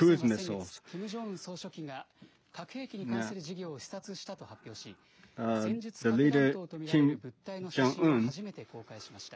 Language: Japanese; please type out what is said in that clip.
また北朝鮮は先月、キム・ジョンウン総書記が核兵器に関する事業を視察したと発表し戦術核弾頭と見られる物体の写真を初めて公開しました。